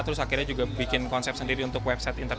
terus akhirnya juga bikin konsep sendiri untuk website